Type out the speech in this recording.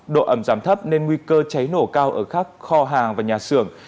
độ ẩm giảm thấp nên nguy cơ cháy nổ cao ở các kho hàng và nhà xưởng